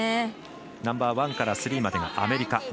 ナンバーワンからスリーまでアメリカ。